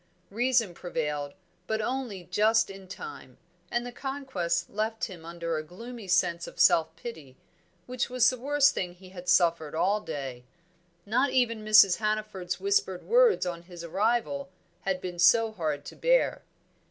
Reason prevailed, but only just in time, and the conquest left him under a gloomy sense of self pity, which was the worst thing he had suffered all day. Not even Mrs. Hannaford's whispered words on his arrival had been so hard to bear.